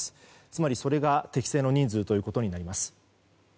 つまり、それが適正の人数となります。